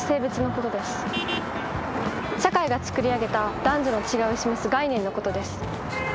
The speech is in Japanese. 社会が作り上げた男女の違いを示す概念のことです。